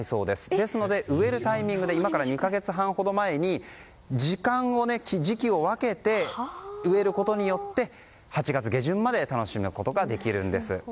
ですので植えるタイミングで今から２か月半ほど前に時間、時期を分けて植えることによって８月下旬まで楽しむことができます。